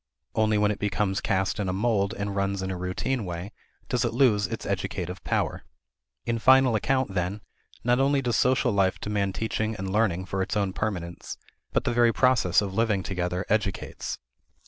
Only when it becomes cast in a mold and runs in a routine way does it lose its educative power. In final account, then, not only does social life demand teaching and learning for its own permanence, but the very process of living together educates.